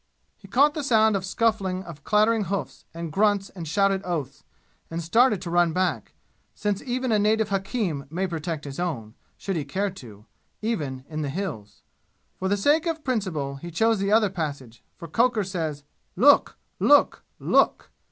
He caught the sound of scuffling of clattering hoofs, and grunts and shouted oaths and started to run back, since even a native hakim may protect his own, should he care to, even in the "Hills." For the sake of principle he chose the other passage, for Cocker says, "Look! Look! Look!"